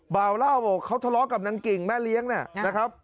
เบาเล่าบอกเขาทะเลาะกับนางกิ่งแม่เลี้ยงเนี่ยนะครับ